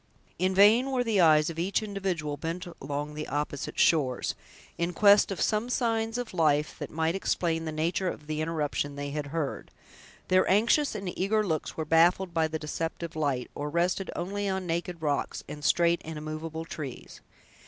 In vain were the eyes of each individual bent along the opposite shores, in quest of some signs of life, that might explain the nature of the interruption they had heard. Their anxious and eager looks were baffled by the deceptive light, or rested only on naked rocks, and straight and immovable trees.